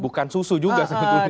bukan susu juga sebetulnya